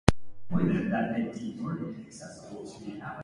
The logistic loss is sometimes called cross-entropy loss.